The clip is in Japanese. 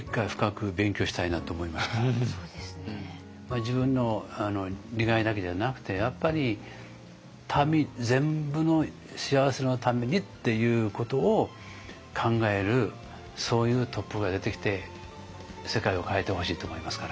自分の利害だけじゃなくてやっぱり民全部の幸せのためにっていうことを考えるそういうトップが出てきて世界を変えてほしいと思いますから。